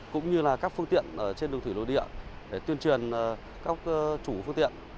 cũng như các phương tiện trên đường thủy nội địa tuyên truyền các chủ phương tiện